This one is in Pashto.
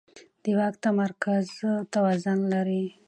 د واک تمرکز توازن له منځه وړي